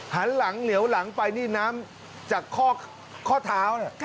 หันหลังเหลียวหลังไปนี่น้ำจากข้อเท้าเนี่ย